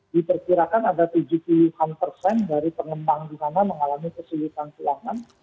diperkirakan ada tujuh lima dari pengembang di sana mengalami kesulitan kelaman